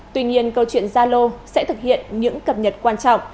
tuy nhiên câu chuyện zalo sẽ thực hiện những cập nhật quan trọng